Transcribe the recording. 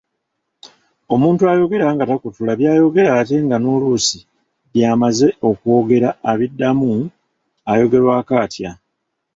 Omuntu ayogera nga takutula by'ayogera ate nga n’oluusi by'amaze okwogera abiddamu ayogerwako atya?